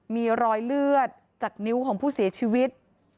มีรอยเลือดจากนิ้วของผู้เสียชีวิต